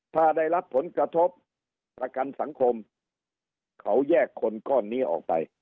ถ้าได้รับผลกระทบประกันสังคมเขาแยกคนก้อนนี้ออกไป